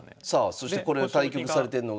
そしてこれを対局されてるのが？